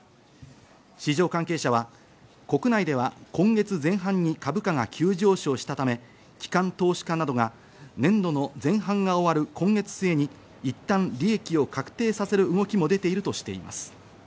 市場関係者は国内では今月前半に株価が急上昇したため、機関投資家などが年度の前半が終わる今月末にいったん利益を確定させる動きも出ているとしています。